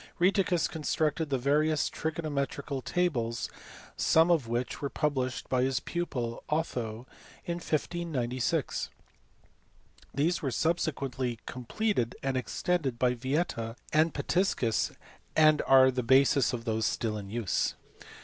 Rheticus constructed various trigonometrical tables some of which were published by his pupil Otho in 1596. These were subsequently completed and extended by Yieta and Pitiscus, and are the basis of those still in use.